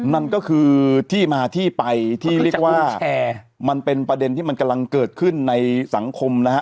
นั่นก็คือที่มาที่ไปที่เรียกว่ามันเป็นประเด็นที่มันกำลังเกิดขึ้นในสังคมนะฮะ